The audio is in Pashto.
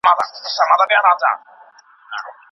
د ټولنیزو فعالیتونو د ارزونې پر مهارتونو تاکید سوی.